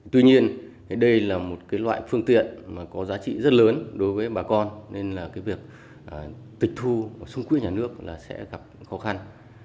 tuy nhiên đây là một loại phương tiện có giá trị rất lớn đối với bà con nên là cái việc tịch thu xung quỹ nhà nước là sẽ gặp khó khăn